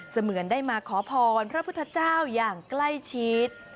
เหมือนได้มาขอพรพระพุทธเจ้าอย่างใกล้ชิด